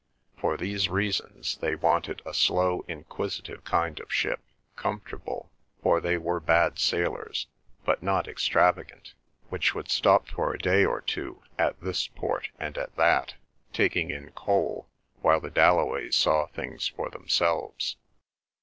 For these reasons they wanted a slow inquisitive kind of ship, comfortable, for they were bad sailors, but not extravagant, which would stop for a day or two at this port and at that, taking in coal while the Dalloways saw things for themselves.